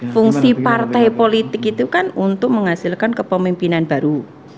fungsi partai politik itu kan untuk menghasilkan kepemimpinan baru